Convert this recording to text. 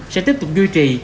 sẽ tiếp tục duy trì